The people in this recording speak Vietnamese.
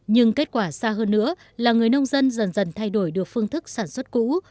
nhưng kết quả xa hơn nữa là người nông dân dần dần thay đổi được phương thức sản xuất cũ